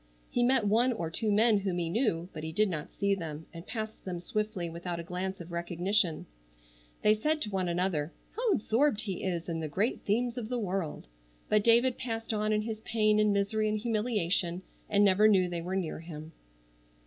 He met one or two men whom he knew, but he did not see them, and passed them swiftly without a glance of recognition. They said one to another, "How absorbed he is in the great themes of the world!" but David passed on in his pain and misery and humiliation and never knew they were near him.